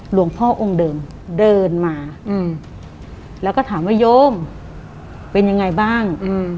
หลวงพ่อองค์เดิมเดินมาแล้วก็ถามว่าโยมเป็นยังไงบ้าง